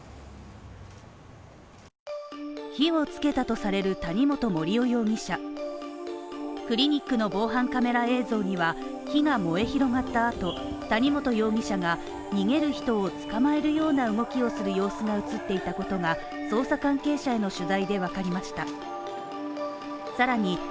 火をつけたとされる谷本盛雄容疑者クリニックの防犯カメラ映像には、火が燃え広がった後、谷本容疑者が逃げる人を捕まえるような動きをする様子が映っていたことが捜査関係者への取材でわかりました。